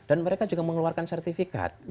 dan mereka juga mengeluarkan sertifikat